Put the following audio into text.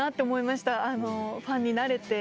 ファンになれて。